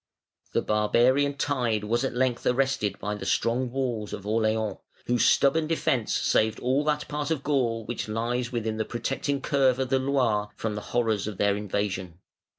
The barbarian tide was at length arrested by the strong walls of Orleans, whose stubborn defence saved all that part of Gaul which lies within the protecting curve of the Loire from the horrors of their invasion.